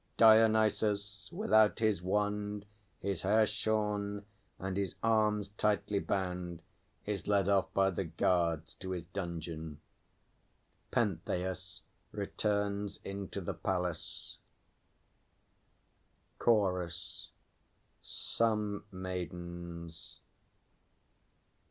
[DIONYSUS, without his wand, his hair shorn, and his arms tightly bound, is led off by the guards to his dungeon. PENTHEUS returns into the Palace. CHORUS. _Some Maidens.